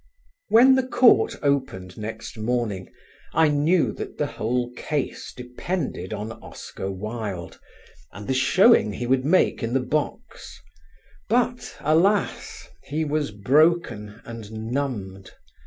When the court opened next morning I knew that the whole case depended on Oscar Wilde, and the showing he would make in the box, but alas! he was broken and numbed.